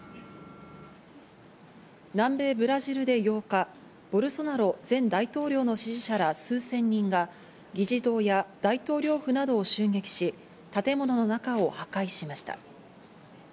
南米ブラジルで８日、ボルソナロ前大統領の支持者ら数千人が議事堂や大統領府などを襲撃し、建物の中を破壊しました。